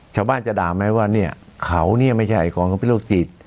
ชาวบ้านจะด่าไหมว่าเนี่ยเขาเนี่ยไม่ใช่ของเขาเป็นโรคจิต